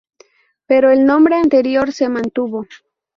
Pero el nombre anterior se mantuvo.